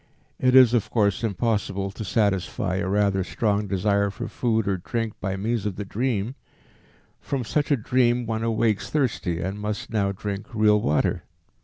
It is of course impossible to satisfy a rather strong desire for food or drink by means of the dream; from such a dream one awakes thirsty and must now drink real water.